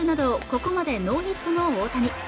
ここまでノーヒットの大谷